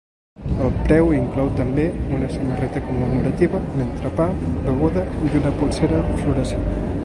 El preu inclou, també, una samarreta commemorativa, l’entrepà, beguda i una polsera fluorescent.